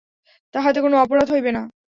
তাহাতে কোনো অপরাধ হইবে না।